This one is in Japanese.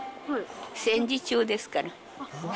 戦時中ですかね。